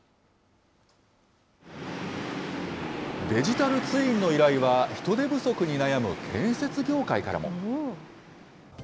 デジタルツインの依頼は、人手不足に悩む建設業界からも。